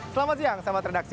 selamat siang sama tradaksi